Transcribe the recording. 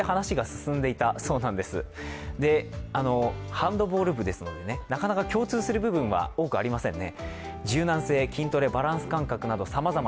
ハンドボール部ですのでなかなか共通する部分は多くありませんね。